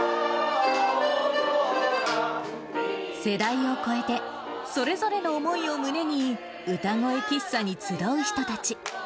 世代を超えて、それぞれの思いを胸に歌声喫茶に集う人たち。